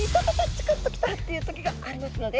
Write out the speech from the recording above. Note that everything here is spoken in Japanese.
チクッときた！っていう時がありますので。